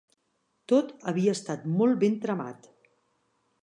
Tot havia estat molt ben tramat.